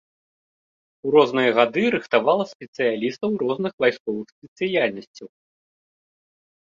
У розныя гады рыхтавала спецыялістаў розных вайсковых спецыяльнасцяў.